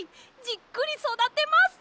じっくりそだてます！